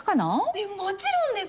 えっもちろんです。